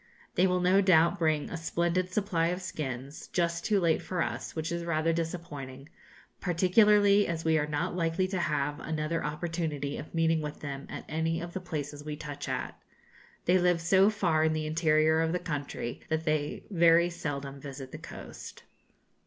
They will no doubt bring a splendid supply of skins, just too late for us, which is rather disappointing, particularly as we are not likely to have another opportunity of meeting with them at any of the places we touch at. They live so far in the interior of the country that they very seldom visit the coast.